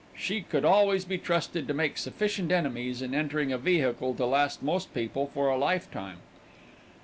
She could always be trusted to make sufficient enemies in entering a vehicle to last most people for a lifetime.